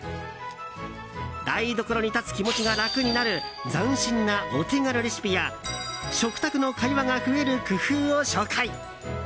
台所に立つ気持ちが楽になる斬新なお手軽レシピや食卓の会話が増える工夫を紹介。